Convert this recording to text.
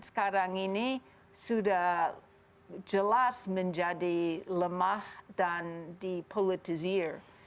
sekarang ini sudah jelas menjadi lemah dan dipolitisir